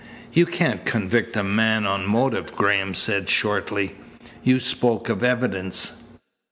"You can't convict a man on motive," Graham said shortly. "You spoke of evidence."